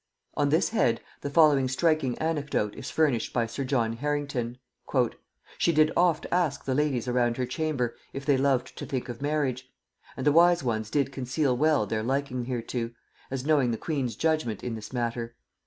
On this head the following striking anecdote is furnished by sir John Harrington.... "She did oft ask the ladies around her chamber, if they loved to think of marriage? And the wise ones did conceal well their liking hereto, as knowing the queen's judgement in this matter.